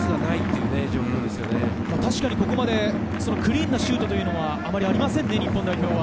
確かにここまでクリーンなシュートはあまりありませんね、日本代表は。